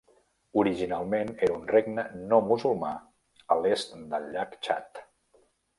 Originalment era un regne no musulmà a l'est del llac Txad.